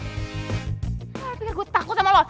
gimana berarti gue takut sama lo